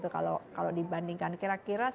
kalau dibandingkan kira kira